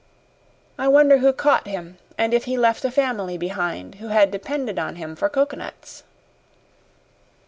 I wonder who caught him, and if he left a family behind who had depended on him for coconuts."